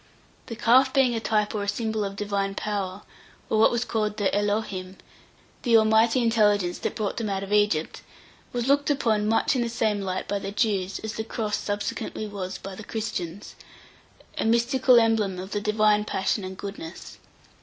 The calf being a type or symbol of Divine power, or what was called the Elohim, the Almighty intelligence that brought them out of Egypt, was looked upon much in the same light by the Jews, as the cross subsequently was by the Christians, a mystical emblem of the Divine passion and goodness.